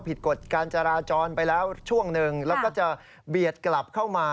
กฎการจราจรไปแล้วช่วงหนึ่งแล้วก็จะเบียดกลับเข้ามา